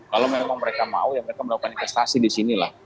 kalau memang mereka mau ya mereka melakukan investasi di sini lah